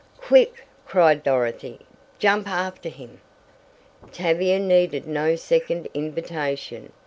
"Quick!" cried Dorothy. "Jump after me!" Tavia needed no second invitation.